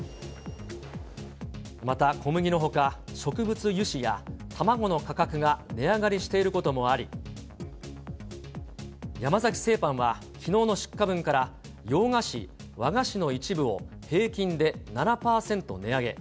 また、小麦のほか、植物油脂や卵の価格が値上がりしていることもあり、山崎製パンはきのうの出荷分から洋菓子、和菓子の一部を平均で７％値上げ。